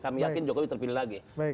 kami yakin jokowi terpilih lagi